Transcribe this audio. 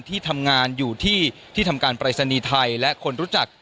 ที่ทำงานอยู่ที่ที่ทำการปรายศนีย์ไทยและคนรู้จัก